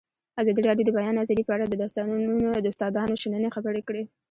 ازادي راډیو د د بیان آزادي په اړه د استادانو شننې خپرې کړي.